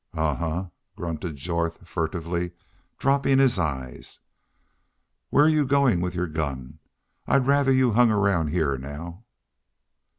"Ahuh!" grunted Jorth, furtively dropping his eyes. "Where you goin' with your gun? I'd rather you hung round heah now."